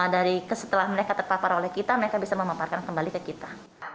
dari setelah mereka terpapar oleh kita mereka bisa memaparkan kembali ke kita